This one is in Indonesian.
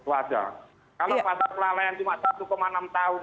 kalau pasal pelalaian cuma satu enam tahun